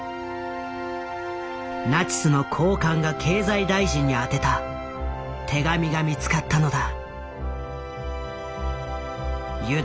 ナチスの高官が経済大臣に宛てた手紙が見つかったのだ。